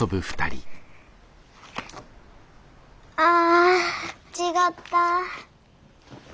あ違った。